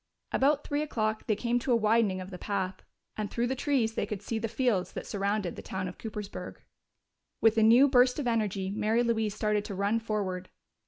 About three o'clock they came to a widening of the path, and through the trees they could see the fields that surrounded the town of Coopersburg. With a new burst of energy Mary Louise started to run forward.